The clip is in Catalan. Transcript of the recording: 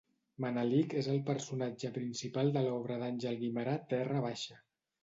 Manelic és el personatge principal de l'obra d'Àngel Guimerà Terra Baixa.